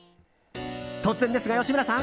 突然ですが、吉村さん